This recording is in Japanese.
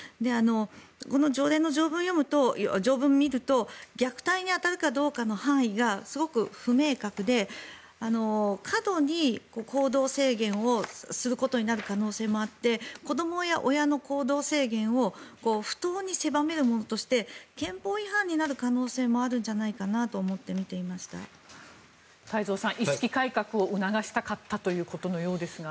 この条例の条文を見ると虐待に当たるかどうかの範囲がすごく不明確で過度に行動制限をすることになる可能性もあって子どもや親の行動制限を不当に狭めるものとして憲法違反になる可能性もあるんじゃないかなと思って太蔵さん意識改革を促したかったということのようですが。